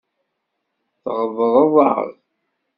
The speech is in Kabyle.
Tɣeḍreḍ-aɣ.